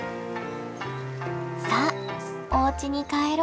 さあおうちに帰ろ。